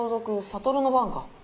サトルの番か。